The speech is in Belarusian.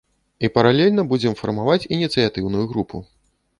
І паралельна будзем фармаваць ініцыятыўную групу.